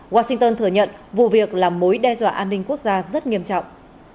washington thừa nhận vụ việc là mối đe dọa an ninh quốc gia rất nghiêm trọng